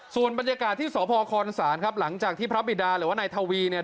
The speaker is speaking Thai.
ส่วนบรรยากาศที่สพคศครับหลังจากที่พระบิดาหรือว่านายทวีเนี่ย